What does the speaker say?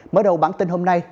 mở đầu bản tin hôm nay